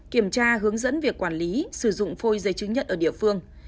kiểm tra hướng dẫn việc quản lý sử dụng phôi giấy chứng nhận ở địa phương